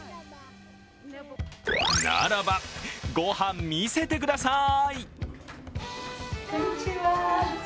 ならば、御飯、見せてください。